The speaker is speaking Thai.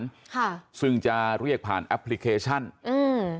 ค่ะซึ่งจะเรียกผ่านแอปพลิเคชันอืม